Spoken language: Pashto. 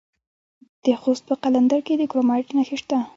د خوست په قلندر کې د کرومایټ نښې شته.